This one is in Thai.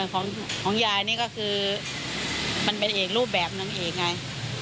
ของยายนี่ก็เป็นลูกแบบนึงเองไง